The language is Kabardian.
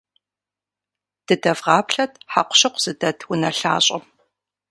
Дыдэвгъаплъэт хьэкъущыкъу зыдэт унэлъащӏэм.